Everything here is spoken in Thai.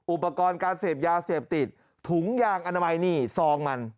อุปกรณ์การเสพยาเสพติดถุงยางอนามัยนี่ซองมัน